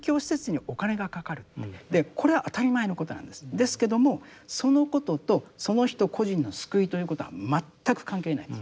ですけどもそのこととその人個人の救いということは全く関係ないです。